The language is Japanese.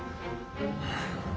はあ。